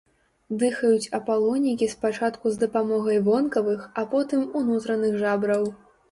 Дыхаюць апалонікі спачатку з дапамогай вонкавых, а потым унутраных жабраў.